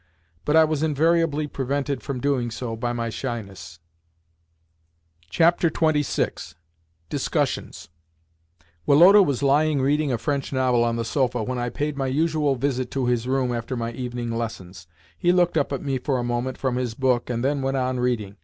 But I was invariably prevented from doing so by my shyness. XXVI. DISCUSSIONS Woloda was lying reading a French novel on the sofa when I paid my usual visit to his room after my evening lessons. He looked up at me for a moment from his book, and then went on reading.